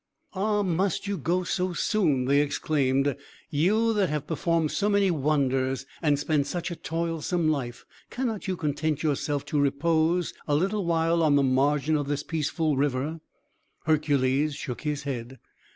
"Ah! must you go to soon?" they exclaimed. "You that have performed so many wonders, and spent such a toilsome life cannot you content yourself to repose a little while on the margin of this peaceful river?" Hercules shook his head.